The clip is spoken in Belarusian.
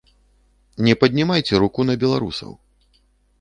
Не паднімайце руку на беларусаў.